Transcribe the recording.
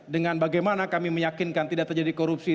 dengan bagaimana kami meyakinkan tidak terjadi korupsi